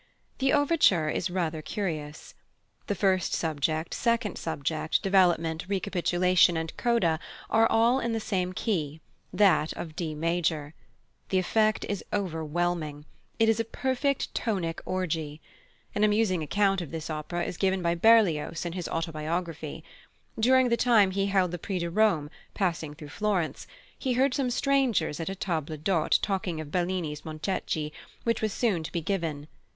The overture is rather curious. The first subject, second subject, development, recapitulation, and coda are all in the same key, that of D major. The effect is overwhelming. It is a perfect tonic orgy. An amusing account of this opera is given by Berlioz in his Autobiography. During the time he held the Prix de Rome, passing through Florence, he heard some strangers at a table d'hôte talking of Bellini's Montecchi, which was soon to be given.